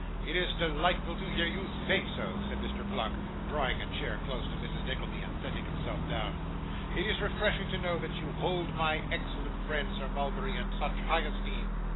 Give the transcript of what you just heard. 'It is delightful to hear you say so,' said Mr. Pluck, drawing a chair close to Mrs. Nickleby, and sitting himself down. 'It is refreshing to know that you hold my excellent friend, Sir Mulberry, in such high esteem.